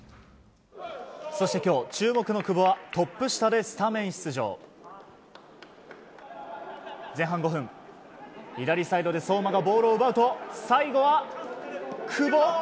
そして今日、注目の久保はトップ下でスタメン出場。前半５分、左サイドで相馬がボールを奪うと最後は久保。